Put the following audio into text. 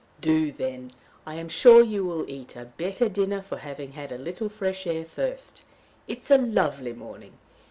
"Do, then. I am sure you will eat a better dinner for having had a little fresh air first. It is a lovely morning.